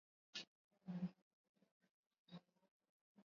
Kutegemeana na wingi wa kupe